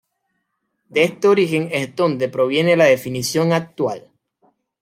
De este origen es de donde proviene la definición actual.